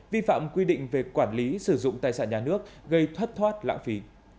vi phạm quy định về quản lý sử dụng tài sản nhà nước gây thất thoát lãng phí